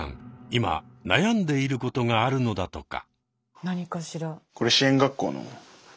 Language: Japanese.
今悩んでいることがあるのだとか。